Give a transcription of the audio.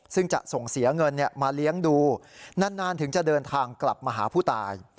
ซึ่งจะส่งเสียเงินมาเลี้ยงดูนานถึงจะเดินทางกลับมาหาผู้ตาย